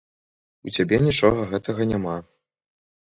У цябе нічога гэтага няма.